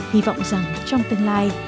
hy vọng rằng trong tương lai